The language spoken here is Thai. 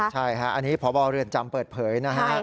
ใช่อันนี้พอบ่าวเรือนจำเปิดเผย